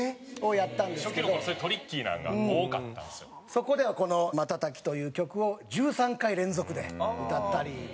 そこではこの『瞬き』という曲を１３回連続で歌ったりとか。